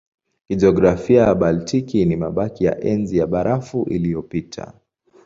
Kijiografia Baltiki ni mabaki ya Enzi ya Barafu iliyopita.